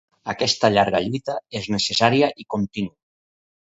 Aquesta llarga lluita és necessària i contínua.